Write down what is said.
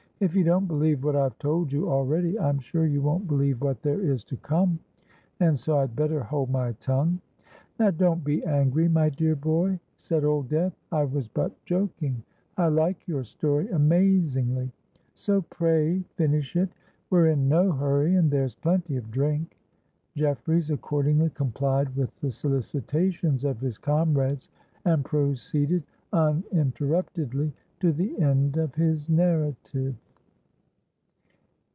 If you don't believe what I've told you already, I'm sure you won't believe what there is to come; and so I'd better hold my tongue." "Now don't be angry, my dear boy," said Old Death: "I was but joking. I like your story amazingly: so pray finish it. We're in no hurry, and there's plenty of drink." Jeffreys accordingly complied with the solicitations of his comrades, and proceeded uninterruptedly to the end of his narrative.